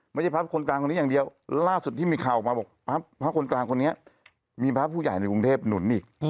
ไม่ใช่พระคนกลางคนนี้อย่างเดียวล่าสุดที่มีข่าวออกมาบอกพระคนกลางคนนี้มีพระผู้ใหญ่ในกรุงเทพหนุนอีก